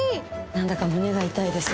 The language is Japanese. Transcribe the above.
なんだか胸が痛いです。